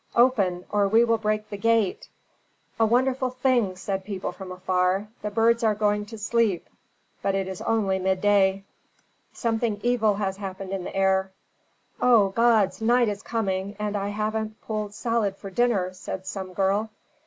"Open, or we will break the gate!" "A wonderful thing," said people from afar; "the birds are going to sleep. But it is only midday." "Something evil has happened in the air!" "O gods, night is coming, and I haven't pulled salad for dinner," said some girl.